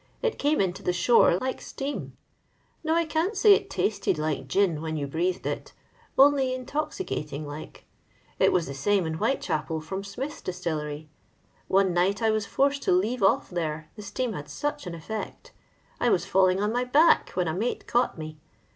It came into the shore like steam. No, I esal say it tasted like gin when yoa breathed it— only intoxicating like. It wna the sane n Whitcchnpel from Smith's distillery. One night I was forced to leave off there, the atean m such an effect. I was falling on my bads, wha a mate caught me.